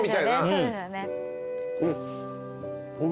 そうですよね。